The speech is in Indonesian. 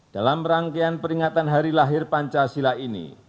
dalam rangkaian peringatan hari lahir pancasila ini